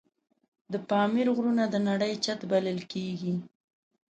د پامیر غرونه د نړۍ چت بلل کېږي.